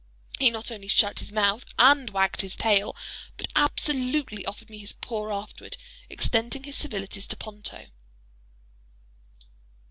He not only shut his mouth and wagged his tail, but absolutely offered me his paw—afterward extending his civilities to Ponto.